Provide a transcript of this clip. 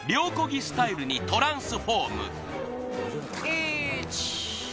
漕ぎスタイルにトランスフォーム１２